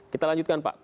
kita lanjutkan pak